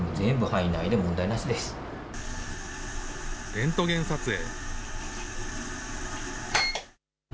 レントゲン撮影。